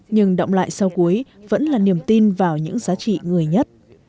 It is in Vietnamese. nhưng động lại sau cuối vẫn là niềm tin vào những giá trị người nhất